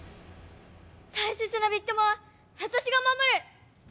大切なビッ友は私が守る！